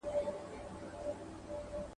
• کږه غاړه توره نه خوري.